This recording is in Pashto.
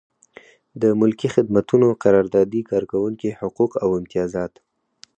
د ملکي خدمتونو قراردادي کارکوونکي حقوق او امتیازات.